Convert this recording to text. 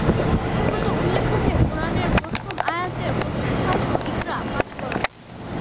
প্রসঙ্গত উল্লেখ্য যে, কুরআনের প্রথম আয়াতের প্রথম শব্দ ‘ইকরা’-পাঠকর।